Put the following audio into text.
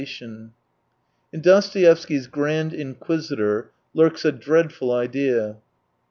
— \n Dostoevsky's Grand Inquisitor lurks a dreadful idea.